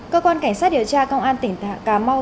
cơ quan cảnh sát điều tra công an tỉnh cà mau